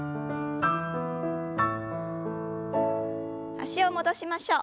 脚を戻しましょう。